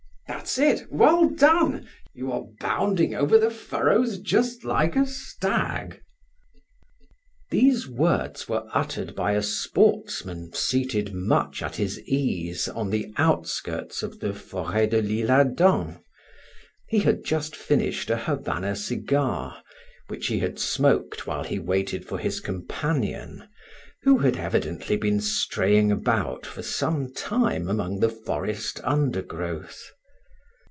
That's it! Well done! You are bounding over the furrows just like a stag!" These words were uttered by a sportsman seated much at his ease on the outskirts of the Foret de l'Isle Adam; he had just finished a Havana cigar, which he had smoked while he waited for his companion, who had evidently been straying about for some time among the forest undergrowth.